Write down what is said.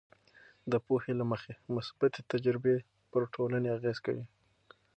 د پوهې له مخې، مثبتې تجربې پر ټولنې اغیز کوي.